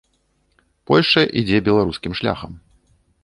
Польшча ідзе беларускім шляхам.